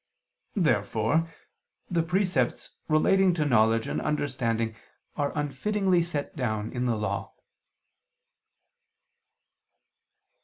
Therefore the precepts relating to knowledge and understanding are unfittingly set down in the Law.